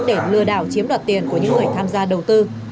để lừa đảo chiếm đoạt tiền của những người tham gia đầu tư